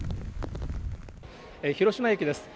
広島駅です。